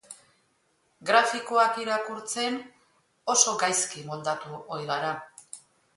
Grafikoak irakurtzen oso gaizki moldatu ohi gara.